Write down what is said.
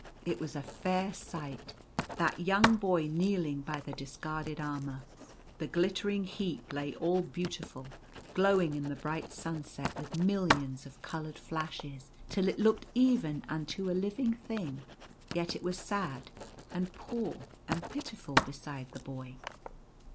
It was a fair sight, that young boy kneeling by the discarded armour. The glittering heap lay all beautiful, glowing in the bright sunset with millions of coloured flashes, till it looked like even unto a living thing. Yet it was sad, and poor, and pitiful beside the boy.